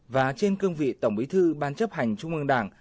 và trên cương vị tổng bí thư ban chấp hành trung ương đảng